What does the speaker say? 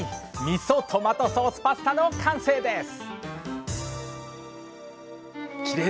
「みそトマトソースパスタ」の完成です！